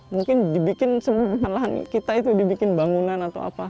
mungkin dibikin lahan kita itu dibikin bangunan atau apa